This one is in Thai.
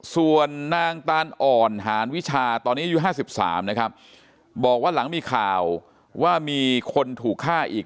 ส่วนนางตานอ่อนหานวิชาตอนนี้อายุ๕๓นะครับบอกว่าหลังมีข่าวว่ามีคนถูกฆ่าอีก